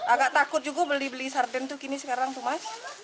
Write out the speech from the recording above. agak takut juga beli beli sarden sekarang mas